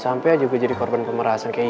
sampai juga jadi korban pemerasan kayak ibu